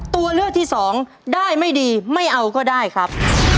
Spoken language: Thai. ตัวเลือกที่สองได้ไม่ดีไม่เอาก็ได้ครับ